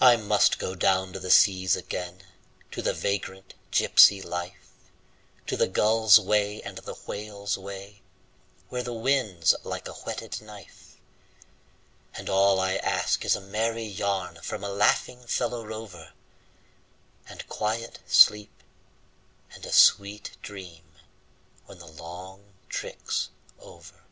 I must go down to the seas again, to the vagrant gypsy life, To the gull's way and the whale's way, where the wind's like a whetted knife; And all I ask is a merry yarn from a laughing fellow rover, And quiet sleep and a sweet dream when the long trick's over.